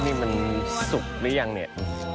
นี่มันสุกหรือยังเนี่ย